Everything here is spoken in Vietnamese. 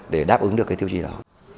để đáp ứng được cái tiêu chí đó